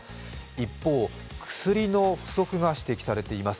一方、薬の不足が指摘されています